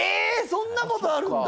そんなことあるんだ！